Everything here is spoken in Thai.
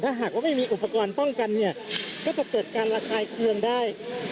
ถ้าหากว่าไม่มีอุปกรณ์ป้องกันเนี่ยก็จะเกิดการระคายเครื่องได้